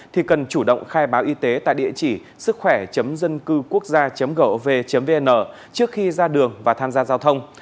thì cần chủ động khai báo y tế tại địa chỉ sứckhoẻ dâncưquốcgia gov vn trước khi ra đường và tham gia giao thông